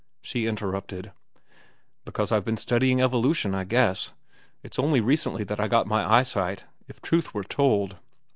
she interrupted. "Because I've been studying evolution, I guess. It's only recently that I got my eyesight, if the truth were told."